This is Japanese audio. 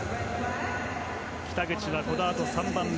北口は、このあと３番目。